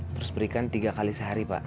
terus berikan tiga kali sehari pak